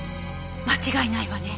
間違いないわね。